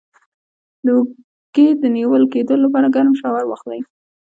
د اوږې د نیول کیدو لپاره ګرم شاور واخلئ